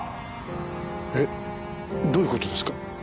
えっどういう事ですか？